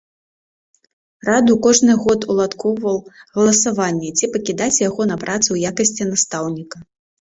Раду кожны год уладкоўваў галасаванні, ці пакідаць яго на працы ў якасці настаўніка.